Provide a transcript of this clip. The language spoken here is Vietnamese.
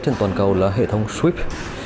trên toàn cầu là hệ thống swift